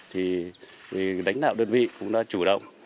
thì đánh đạo đơn vị cũng đã chủ động